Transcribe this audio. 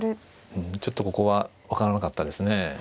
ちょっとここは分からなかったですね。